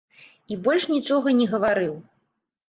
І больш нічога не гаварыў.